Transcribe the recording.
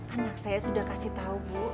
anak saya sudah kasih tahu bu